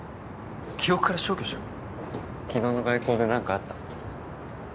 記憶から消去しろ昨日の外交で何かあった？